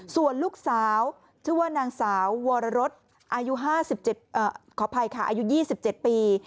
ส่วนลูกสาวถือว่านางสาววรรฤษอายุ๒๗ปี